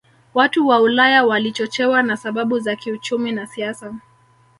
Watu wa Ulaya walichochewa na sababu za kiuchumi na siasa